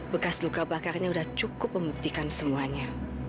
bekas luka bakarnya sudah cukup membuktikan semuanya